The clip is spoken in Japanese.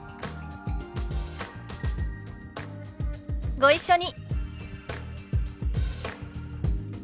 ご一緒に。